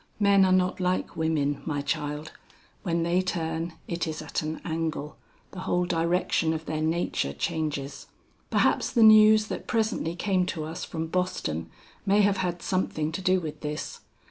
Men are not like women, my child; when they turn, it is at an angle, the whole direction of their nature changes. "Perhaps the news that presently came to us from Boston may have had something to do with this.